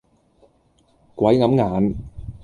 鬼揞眼